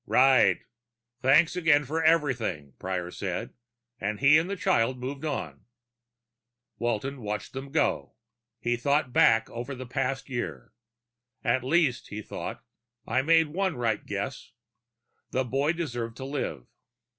"Right. Thanks again for everything," Prior said, and he and the child moved on. Walton watched them go. He thought back over the past year. At least, he thought, _I made one right guess. The boy deserved to live.